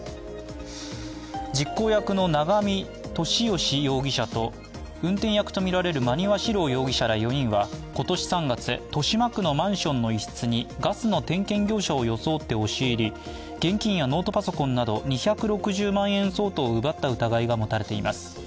実行役の永見俊義容疑者と運転役とみられる馬庭史郎容疑者ら４人は今年３月豊島区のマンションの一室にガスの点検業者を装って押し入り現金やノートパソコンなど２６０万円相当を奪った疑いが持たれています。